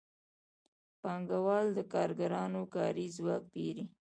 پانګوال د کارګرانو کاري ځواک پېري